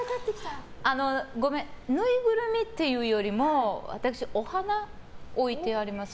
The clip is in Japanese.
ごめんぬいぐるみっていうよりも私、お花を置いてあります。